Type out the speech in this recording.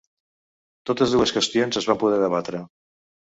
Totes dues qüestions es van poder debatre.